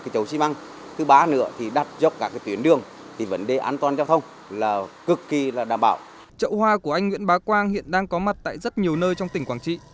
chậu hoa của anh nguyễn bá quang hiện đang có mặt tại rất nhiều nơi trong tỉnh quảng trị